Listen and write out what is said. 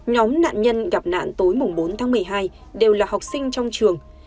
nhóm nạn nhân gặp nạn tối bốn tháng một mươi hai đều là học sinh trong trường